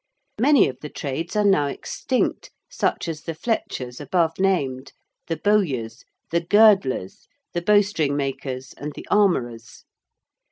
Many of the trades are now extinct, such as the Fletchers above named, the Bowyers, the Girdlers, the Bowstring Makers and the Armourers.